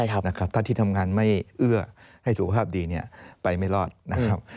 ถ้าที่ทำงานไม่เอื้อให้สุขภาพดีเนี่ยไปไม่รอดนะครับ